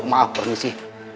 maaf bang istri